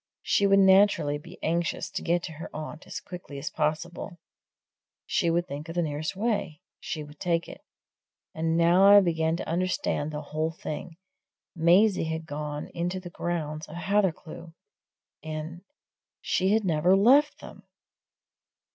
She would naturally be anxious to get to her aunt as quickly as possible; she would think of the nearest way she would take it. And now I began to understand the whole thing: Maisie had gone into the grounds of Hathercleugh, and she had never left them!